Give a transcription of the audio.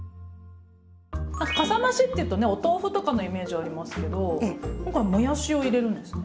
カサ増しっていうとねお豆腐とかのイメージありますけど今回もやしを入れるんですね。